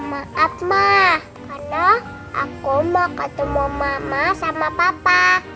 maaf mah karena aku mau ketemu mama sama papa